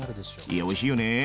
いやおいしいよね。